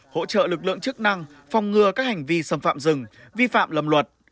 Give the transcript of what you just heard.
hỗ trợ lực lượng chức năng phòng ngừa các hành vi xâm phạm rừng vi phạm lầm luật